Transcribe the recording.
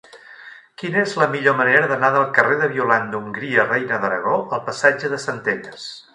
Quina és la millor manera d'anar del carrer de Violant d'Hongria Reina d'Aragó al passatge de Centelles?